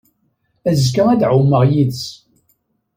Azekka, ad ɛumeɣ yid-s.